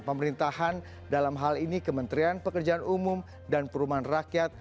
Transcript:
pemerintahan dalam hal ini kementerian pekerjaan umum dan perumahan rakyat